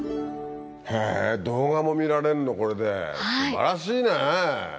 へぇ動画も見られるのこれで素晴らしいね！